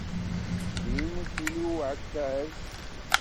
Tettbin tili uɛekkaz.